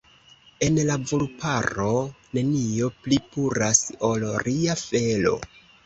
En la vulparo, nenio pli puras ol ria felo.